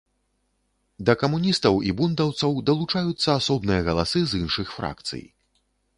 Да камуністаў і бундаўцаў далучаюцца асобныя галасы з іншых фракцый.